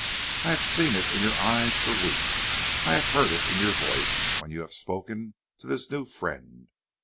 I have seen it in your eyes for weeks, I have heard it in your voice when you have spoken to this new friend.